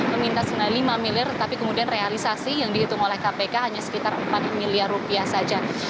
meminta semilai rp lima miliar tapi kemudian realisasi yang dihitung oleh kpk hanya sekitar rp empat miliar saja